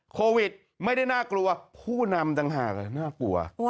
โควิดไม่ได้น่ากลัวผู้นำต่างหากน่ากลัว